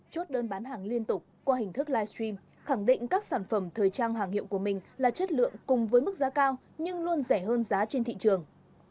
chốt đơn bán hàng liên tục qua hình thức livestream khẳng định các sản phẩm thời trang hàng hiệu của mình là chất lượng cùng với mức giá cao nhưng luôn rẻ hơn giá trên thị trường